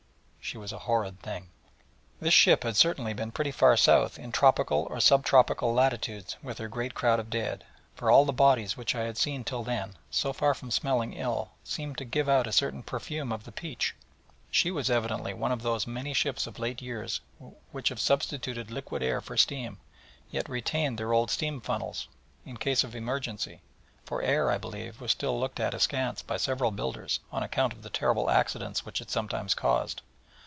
She was a horrid thing. This ship had certainly been pretty far south in tropical or sub tropical latitudes with her great crowd of dead: for all the bodies which I had seen till then, so far from smelling ill, seemed to give out a certain perfume of the peach. She was evidently one of those many ships of late years which have substituted liquid air for steam, yet retained their old steam funnels, &c., in case of emergency: for air, I believe, was still looked at askance by several builders, on account of the terrible accidents which it sometimes caused.